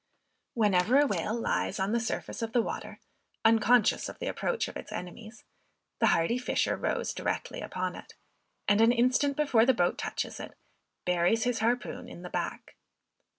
Whenever a whale lies on the surface of the water, unconscious of the approach of its enemies, the hardy fisher rows directly upon it; and an instant before the boat touches it, buries his harpoon in his back.